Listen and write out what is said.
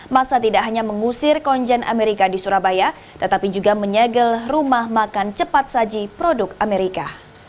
masa tidak hanya mengusir konjen amerika di surabaya tetapi juga menyegel rumah makan cepat saji produk amerika